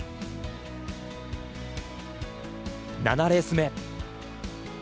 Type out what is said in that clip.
７レース目。